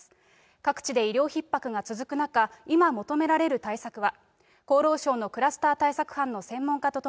各地で医療ひっ迫が続く中、今求められる対策は。